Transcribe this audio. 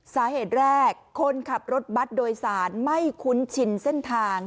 สาเหตุแรกคนขับรถบัตรโดยสารไม่คุ้นชินเส้นทาง